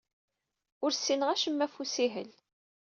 Ur ssineɣ acemma ɣef ussihel.